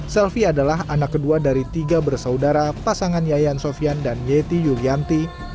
selvi adalah anak kedua dari tiga bersaudara pasangan yayan sofian dan yeti yulianti